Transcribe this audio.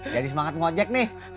jadi semangat ngojek nih